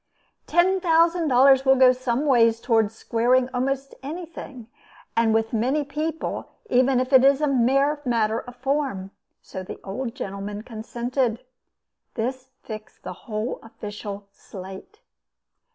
Ten thousand dollars will go some ways towards squaring almost anything, with many people, even if it is a mere matter of form; and so the old gentleman consented. This fixed the whole official "slate."